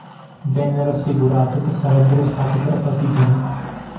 Venne rassicurato che sarebbero stati trattati bene.